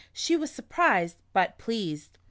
She was surprised, but pleased.